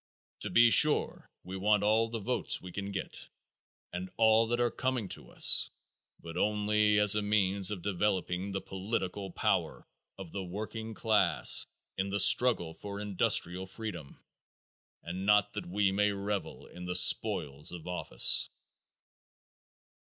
To be sure we want all the votes we can get and all that are coming to us but only as a means of developing the political power of the working class in the struggle for industrial freedom, and not that we may revel in the spoils of office.